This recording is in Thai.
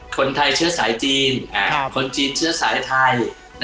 คนไทยเชื้อสายจีนคนจีนเชื้อสายไทย